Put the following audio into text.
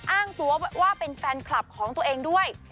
อ้างตัวว่าเป็นแฟนคลับของตัวเองด้วย